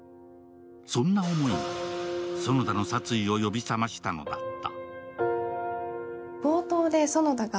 そんな思いが園田の殺意を呼び覚ましたのだった。